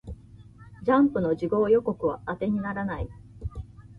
ジャンプの次号予告は当てにならない